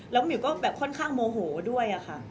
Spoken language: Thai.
แล้วหมิวก็แบบค่อนข้างโมโหด้วยค่ะ